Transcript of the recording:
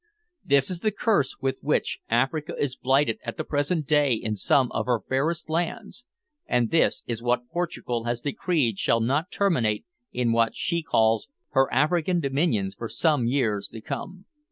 This is the curse with which Africa is blighted at the present day in some of her fairest lands, and this is what Portugal has decreed shall not terminate in what she calls her African dominions for some years to come.